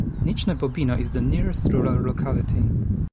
Nizhneye Bobino is the nearest rural locality.